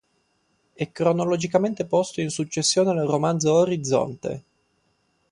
È cronologicamente posto in successione al romanzo "Orizzonte".